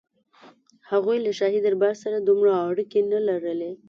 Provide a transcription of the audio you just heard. هغوی له شاهي دربار سره دومره اړیکې نه لرلې.